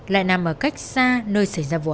lại nằm ở cách xa nơi xảy ra vụ án